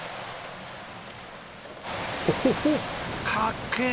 おおっかっけえ！